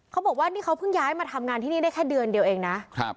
เขาบอกว่านี่เขาเพิ่งย้ายมาทำงานที่นี่ได้แค่เดือนเดียวเองนะ